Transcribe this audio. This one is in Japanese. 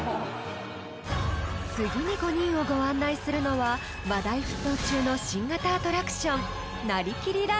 ［次に５人をご案内するのは話題沸騰中の新型アトラクション］